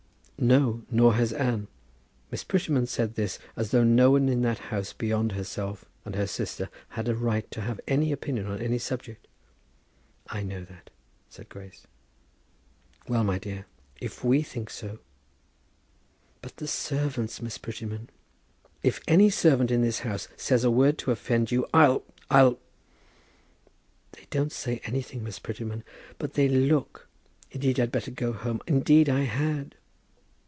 "No, nor has Anne." Miss Prettyman said this as though no one in that house beyond herself and her sister had a right to have any opinion on any subject. "I know that," said Grace. "Well, my dear. If we think so " "But the servants, Miss Prettyman?" "If any servant in this house says a word to offend you, I'll I'll " "They don't say anything, Miss Prettyman, but they look. Indeed I'd better go home. Indeed I had!"